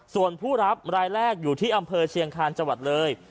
ส่วนผู้รับรายแรกอยู่ที่อำเภอเชียงคาญจังหวัดเลย